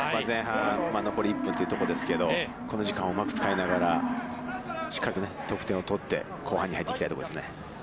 前半、残り１分というところですけれども、この時間をうまく使いながらしっかりと得点を取って後半に入っていきたいところですね。